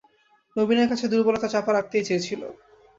নবীনের কাছে দুর্বলতা চাপা রাখতেই চেয়েছিল।